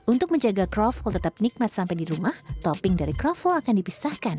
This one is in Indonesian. untuk menjaga kroffel tetap nikmat sampai di rumah topping dari kroffel akan dipisahkan